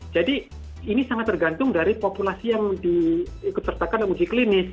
jadi ini sangat tergantung dari populasi yang diikutsertakan uji klinis